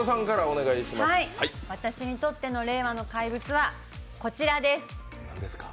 私にとっての令和の怪物はこちらです。